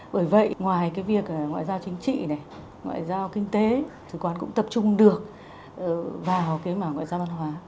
bởi vậy ngoài cái việc ngoại giao chính trị này ngoại giao kinh tế thì còn cũng tập trung được vào cái mảng ngoại giao văn hóa